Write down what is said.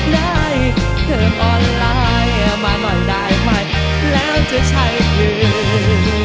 ได้เธอออนไลน์มานอนได้ไหมแล้วจะใช้อยู่